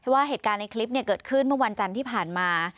ว่าเหตุการณ์ในคลิปเกิดขึ้นเมื่อวันจันทร์ที่ผ่านมา